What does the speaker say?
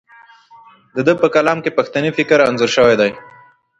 د ده په کلام کې پښتني فکر انځور شوی دی.